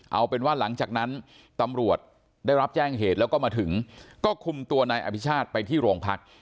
เอาเป็นว่าหลังจากนั้นตำรวจได้รับแจ้งเหตุแล้วก็มาถึงก็คุมตัวนายอภิชาติไปที่โรงพัก